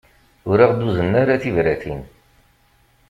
Ur aɣ-d-uznen ara tibratin.